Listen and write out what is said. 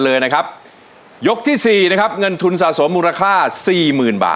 มีความรู้สึกว่ามีความรู้สึกว่ามีความรู้สึกว่ามีความรู้สึกว่า